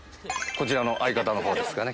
こちらの相方の方ですかね